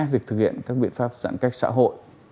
việc thực hiện các biện pháp giãn cách xã hội